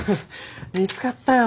見つかったよ。